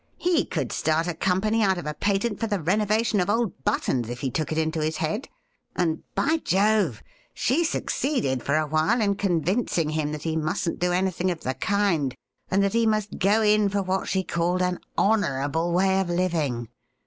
He could start a company out of a patent for the renovation of old buttons if he took it into his head ; and, by Jove ! she succeeded for a while in convincing him that he mustn't do anything of the kind, and that he must go in for what she called an honourable way of living.